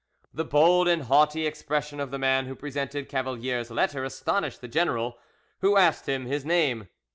The bold and haughty expression of the man who presented Cavalier's letter astonished the general, who asked him his name.